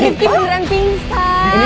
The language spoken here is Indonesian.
itu rifki beneran pingsan